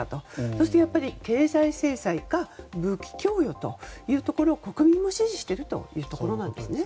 そして、やっぱり経済制裁か武器供与というところを国民も支持しているというところなんですね。